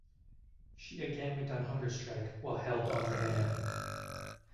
She again went on hunger strike while held on remand.